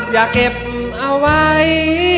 อย่าเก็บเอาไว้